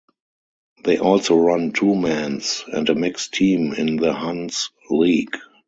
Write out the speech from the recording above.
They also run two men's and a mixed team in the Hunts league.